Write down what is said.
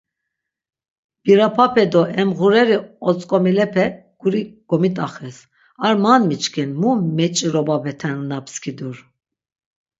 Birapape do em ğureri otzk̆omilepe guri gomit̆axes, ar man miçkin mu meç̌irobapeten na pskidur.